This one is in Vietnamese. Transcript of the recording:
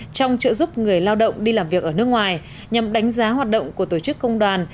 trong trợ giúp người lao động đi làm việc ở nước ngoài nhằm đánh giá hoạt động của tổ chức công đoàn